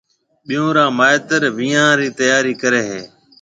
ٻيون را مائيتر وينيان رِي تياري ڪرَي ھيََََ